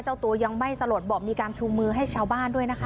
เจ้าตัวยังไม่สลดบอกมีการชูมือให้ชาวบ้านด้วยนะคะ